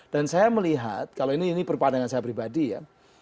dan saya melihat kalau ini perpandangan saya pribadi ya